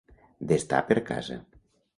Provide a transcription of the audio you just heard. D'estar per casa.